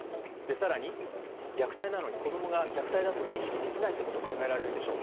更に、虐待なのに子供が虐待だと認識できないことが考えられるでしょう。